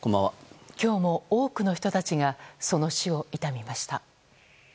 今日も多くの人たちがその死を悼みました。